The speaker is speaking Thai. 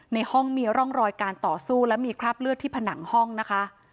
ในห้องมีร่องรอยการต่อสู้และมีคราบเลือดที่ผนังห้องนะคะ